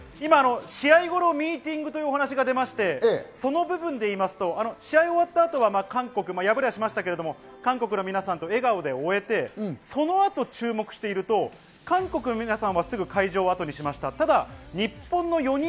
今、試合後のミーティングというお話が出まして、その部分で言いますと、試合終わったあとは韓国に敗れはしましたけれど、韓国の皆さんと笑顔で終えて、そのあと注目していると、韓国の皆さんはすぐ開場を後にしました。